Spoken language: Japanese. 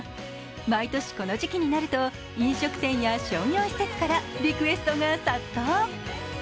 毎年、この時期になると飲食店や商業施設からリクエストが殺到。